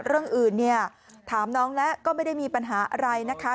เรื่องอื่นเนี่ยถามน้องแล้วก็ไม่ได้มีปัญหาอะไรนะคะ